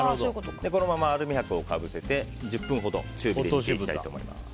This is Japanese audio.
このままアルミ箔をかぶせて１０分ほど中火で煮ていきたいと思います。